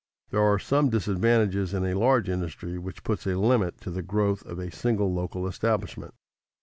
_There are some disadvantages in a large industry which put a limit to the growth of a single local establishment.